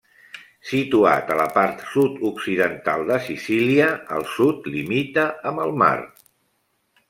Situat a la part sud-occidental de Sicília, al sud limita amb el mar.